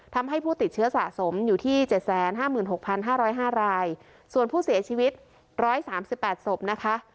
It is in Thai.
ทำให้ผู้ติดเชื้อสะสมอยู่ที่เจ็ดแสนห้าหมื่นหกพันห้าร้อยห้ารายส่วนผู้เสียชีวิตร้อยสามสิบแปดสบนะคะ